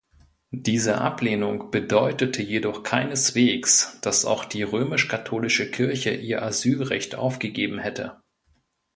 Diese Ablehnung bedeutete jedoch keineswegs, dass auch die römisch-katholische Kirche ihr Asylrecht aufgegeben hätte.